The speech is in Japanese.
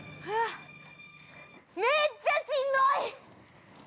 めっちゃしんどい！